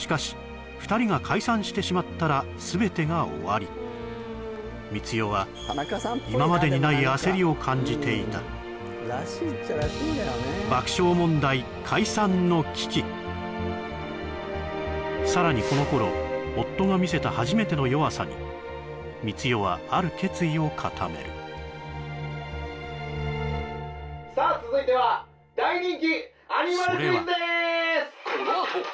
しかし光代は今までにない焦りを感じていたさらにこの頃夫が見せた初めての弱さに光代はある決意を固めるさあ続いては大人気アニマルクイズです